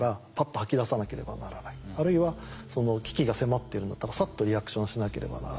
あるいは危機が迫っているんだったらさっとリアクションしなければならない。